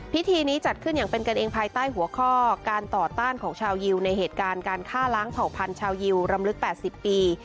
พิธีนี้จัดขึ้นอย่างเป็นกันเองภายใต้หัวข้อการต่อต้านของชาวยิวในเหตุการณ์การฆ่าล้างเผ่าพันธยิวรำลึก๘๐ปี